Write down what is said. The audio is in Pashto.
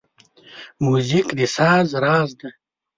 موزیک د ساز راز دی.